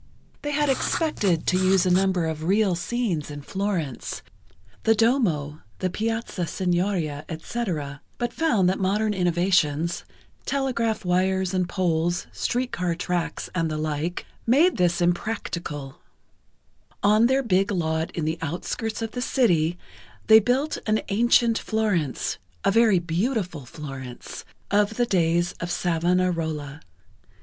They had expected to use a number of real scenes in Florence—the Duomo, the Piazza Signoria, etc., but found that modern innovations—telegraph wires and poles, street car tracks, and the like—made this impracticable. On their big lot in the outskirts of the city, they built an ancient Florence, a very beautiful Florence, of the days of Savonarola.